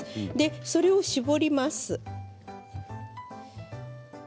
それを絞ります。